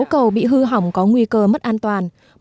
sáu cầu bị hư hỏng có nguy cơ mất an toàn